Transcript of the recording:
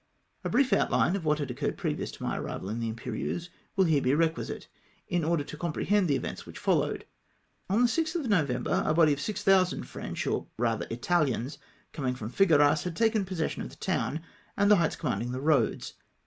A brief outline of what had occurred previous to my arrival in the Imperieuse, will here be requisite, in order to comprehend the events which followed. On the 6th of November a body of 600Q.. French, or rather Itahans, coming from Figueras, had taken possession of the town and the heights commanding the roads.